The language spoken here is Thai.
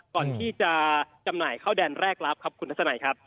ก่อนที่จะจำหน่ายเข้าแดนแรกรับครับคุณทัศนัยครับ